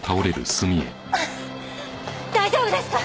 大丈夫ですか？